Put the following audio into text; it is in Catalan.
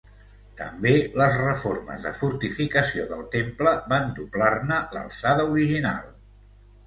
També les reformes de fortificació del temple van doblar-ne l'alçada original.